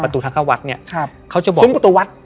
ประตูทางเข้าวัดเนี้ยครับเขาจะบอกซุ้มประตูวัด